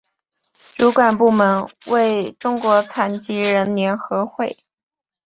主管部门为中国残疾人联合会。